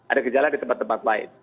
ada gejala di tempat tempat lain